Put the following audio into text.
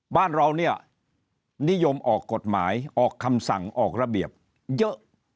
บ้านเราเนี่ยนิยมออกกฎหมายออกคำสั่งออกระเบียบเยอะ